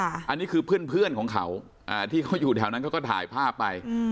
อันนี้คือเพื่อนของเขาที่เขาอยู่แถวนั้นเขาก็ถ่ายภาพไป